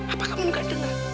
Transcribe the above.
apa kamu nggak dengar